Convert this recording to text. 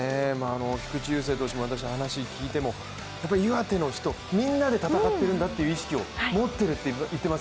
菊池雄星投手も話を聞いても岩手の人、みんなで戦っているんだという意識を持っていると。